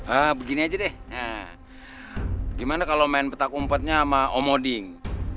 ah begini aja deh gimana kalau main petak umpetnya sama omoding